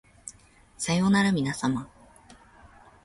さようならみなさま